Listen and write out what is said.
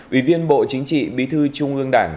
ủy viên bộ chính trị bí thư trung ương đảng